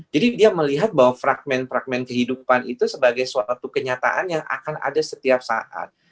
jadi dia melihat bahwa fragment fragment kehidupan itu sebagai suatu kenyataan yang akan ada setiap saat